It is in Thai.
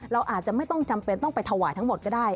เราอาจจะไม่ต้องจำเป็นต้องไปถวายทั้งหมดก็ได้